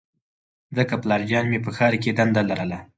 ځکه پلارجان مې په ښار کې دنده لرله